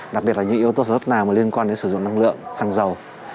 đặc biệt là những yếu tố sản xuất nào liên quan đến sử dụng năng lượng xăng dầu